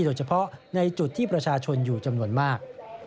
โดยเฉพาะในจุดที่ประชาชนอยู่จำนวนมาก